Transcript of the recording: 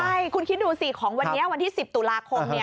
ใช่คุณคิดดูสิของวันนี้วันที่๑๐ตุลาคม